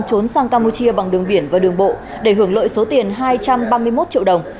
trốn sang campuchia bằng đường biển và đường bộ để hưởng lợi số tiền hai trăm ba mươi một triệu đồng